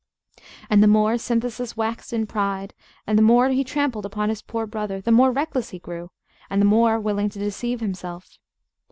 And the more Synthesis waxed in pride, and the more he trampled upon his poor brother, the more reckless he grew, and the more willing to deceive himself.